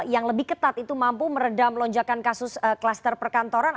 yang lebih ketat itu mampu meredam lonjakan kasus klaster perkantoran